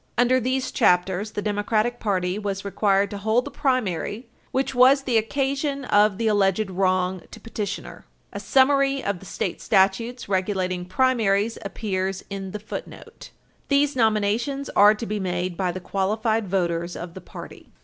Under these chapters, the Democratic Party was required to hold the primary which was the occasion of the alleged wrong to petitioner. A summary of the state statutes regulating primaries appears in the footnote. [Footnote 6] These nominations are to be made by the qualified voters of the party.